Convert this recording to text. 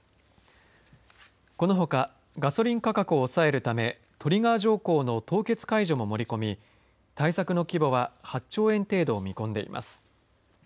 このほか、ガソリン価格を抑えるためトリガー条項の凍結解除も盛り込み対策の規模は８兆円程度を見込んでいます。